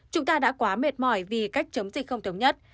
chúng ta đã quá mệt mỏi vì cách chống dịch không thống nhất